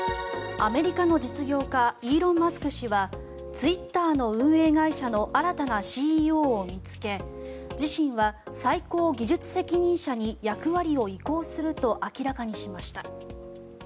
アメリカの実業家イーロン・マスク氏はツイッターの運営会社の新たなＣＥＯを見つけ自身は最高技術責任者に役割を移行すると明らかにしました。